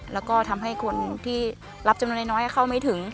แล้วก็ทำให้คนที่รับจำนวนน้อยเข้าไม่ถึง